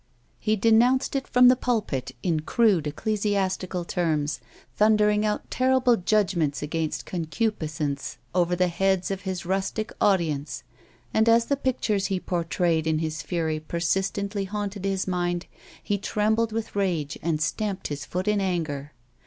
He denounced it from cbe pulpit in crude, ecclesiastical terms, thundering out terrible judgments against concupiscence over the heads of his rustic audience ; and, as the pictures he portrayed in his fury persistently haunted his mind, he trembled with rage and stamped his foot in anger.